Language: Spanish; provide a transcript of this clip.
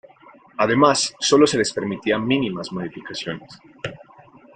Además solo se les permitía mínimas modificaciones.